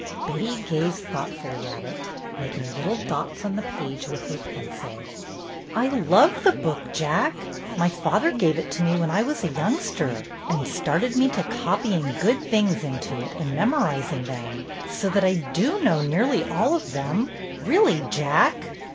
Betty gazed thoughtfully at it, making little dots on the page with her pencil. "I love the book. Jack. My father gave it to me when I was a youngster, and started me to copying good things into it and memoriz ing them. So that I do know nearly all of them, really. Jack."